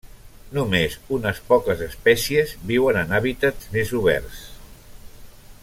Només unes poques espècies viuen en hàbitats més oberts.